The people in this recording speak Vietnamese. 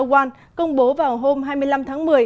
qua ync một công bố vào hôm hai mươi năm tháng một mươi